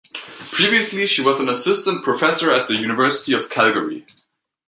Previously she was an assistant professor at the University of Calgary.